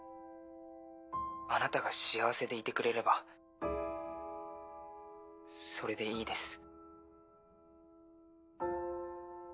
あなたが幸せでいてくれればそれでいいです。